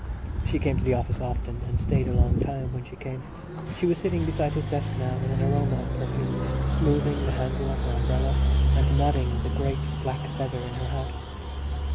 She came to the office often and stayed a long time when she came. She was sitting beside his desk now in an aroma of perfumes, smoothing the handle of her umbrella and nodding the great black feather in her hat.